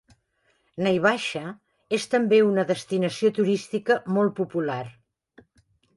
Naivasha és també una destinació turística molt popular.